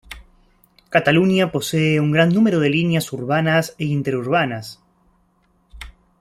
Cataluña posee un gran número de líneas urbanas e interurbanas.